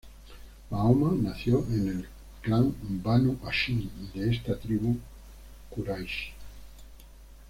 Mahoma nació en el clan Banu Hashim de esta tribu Quraysh.